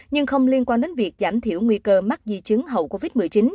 nhưng không liên quan đến việc giảm thiểu nguy cơ mắc di chứng hậu covid một mươi chín